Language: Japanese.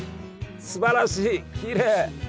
すばらしいきれい。